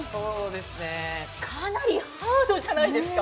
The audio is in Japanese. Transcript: かなりハードじゃないですか。